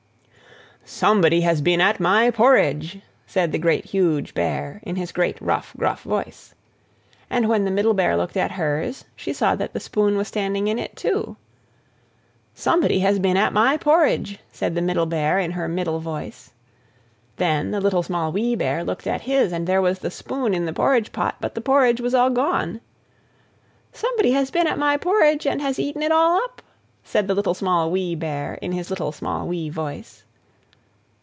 "SOMEBODY HAS BEEN AT MY PORRIDGE!" said the Great, Huge Bear, in his great, rough, gruff voice. And when the Middle Bear looked at hers, she saw that the spoon was standing in it too. "SOMEBODY HAS BEEN AT MY PORRIDGE!" said the Middle Bear, in her middle voice. Then the Little, Small, Wee Bear looked at his, and there was the spoon in the porridge pot, but the porridge was all gone. "SOMEBODY HAS BEEN AT MY PORRIDGE, AND HAS EATEN IT ALL UP!" said the Little, Small, Wee Bear, in his little, small, wee voice.